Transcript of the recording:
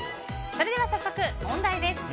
それでは早速、問題です。